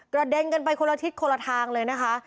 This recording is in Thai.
เด็นกันไปคนละทิศคนละทางเลยนะคะ